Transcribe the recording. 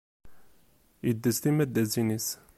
Iddez timaddazin-is.